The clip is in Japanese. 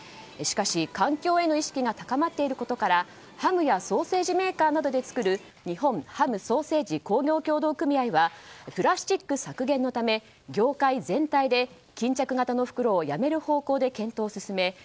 しかし、環境への意識が高まっていることからハムやソーセージメーカーで作る日本ハム・ソーセージ工業協同組合はプラスチック削減のため業界全体で巾着型の袋をやめる方向で検討を進め